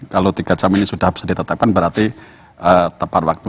kalau tiga jam ini sudah bisa ditetapkan berarti tepat waktu